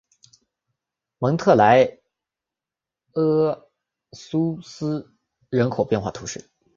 蒙特雷阿莱苏斯人口变化图示